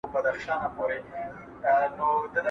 ستا له شمېرې معلومېږي